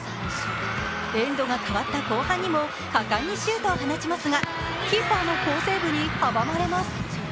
エンドが変わった後半にも果敢にシュートを放ちますがキーパーの好セーブに阻まれます。